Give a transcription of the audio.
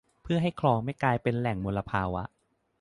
เพื่อให้คลองไม่กลายเป็นแหล่งมลภาวะ